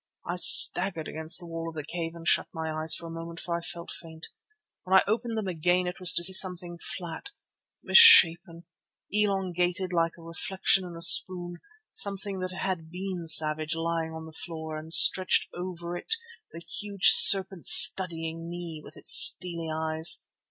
"I staggered against the wall of the cave and shut my eyes for a moment, for I felt faint. When I opened them again it was to see something flat, misshapen, elongated like a reflection in a spoon, something that had been Savage lying on the floor, and stretched out over it the huge serpent studying me with its steely eyes.